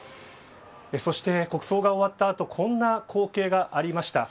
そして国葬が終わった後こんな光景がありました。